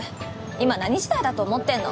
今何時代だと思ってんの？